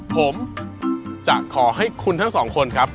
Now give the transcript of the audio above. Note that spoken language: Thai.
ผมจะขอให้คุณทั้งสองคนครับ